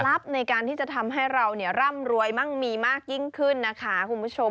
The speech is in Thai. ในการที่จะทำให้เราเนี่ยร่ำรวยมั่งมีมากยิ่งขึ้นนะคะคุณผู้ชม